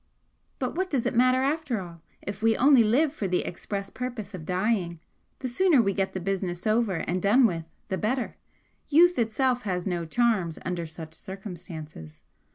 But what does it matter after all? If we only live for the express purpose of dying, the sooner we get the business over and done with the better youth itself has no charms under such circumstances.